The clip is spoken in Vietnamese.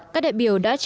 các đại biểu đồng chí